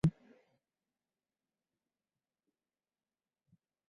ইসলাম মতে, এই বইটি আল্লাহ নবী ঈসার উপর নাজিল করেছিলেন।